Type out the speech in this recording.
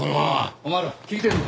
お前ら聞いてんのか？